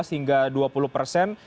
delapan belas hingga dua puluh persen